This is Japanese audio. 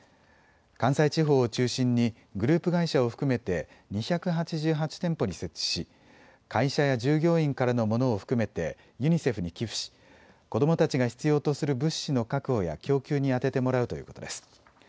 関西地方を中心にグループ会社を含めて２８８店舗に設置し会社や従業員からのものを含めてユニセフに寄付し子どもたちが必要とする物資の確保や供給に充ててもらうということです。